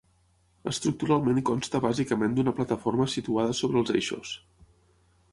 Estructuralment consta bàsicament d'una plataforma situada sobre els eixos.